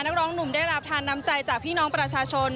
นักร้องหนุ่มได้รับทานน้ำใจจากพี่น้องประชาชน